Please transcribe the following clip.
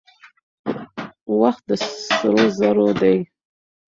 وخت د سرو زرو دی.